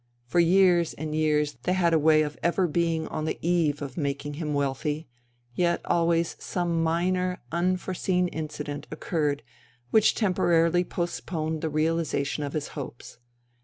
For years and years they had a way of ever being on the eve of making him wealthy, yet always some minor, unforeseen incident occurred which temporarily postponed the realization of his hopes.